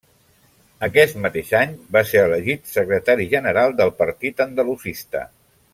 Aquest mateix any va ser elegit Secretari General del Partit Andalusista.